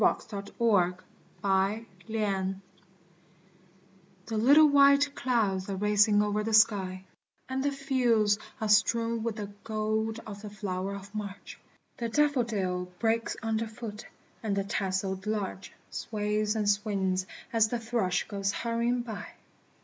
[IOI] MAGDALEN WALKa THE little white clouds are racing over the sky, And the fields are strewn with the gold of the flower of March, The daffodil breaks under foot, and the tasseled larch Sways and swings as the thrush goes hurrying by.